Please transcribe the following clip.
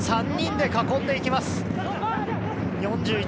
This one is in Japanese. ３人で囲んでいます。